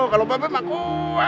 kalau bapak emang kuat ya